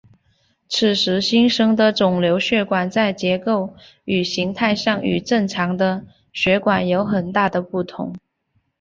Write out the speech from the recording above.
此时新生成的肿瘤血管在结构与形态上与正常的血管有很大的不同。